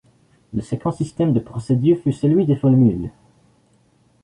Le second système de procédure fut celui des formules.